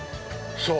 ◆そう！